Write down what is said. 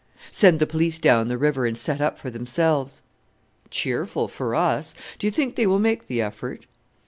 "Send the police down the river, and set up for themselves!" "Cheerful for us! Do you think they will make the effort?"